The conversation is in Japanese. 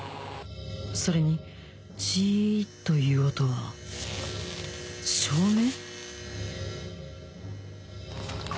それに「ジ」という音は照明？